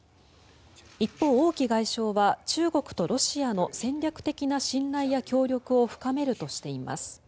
一方、王毅外相は中国とロシアの戦略的な信頼や協力を深めるとしています。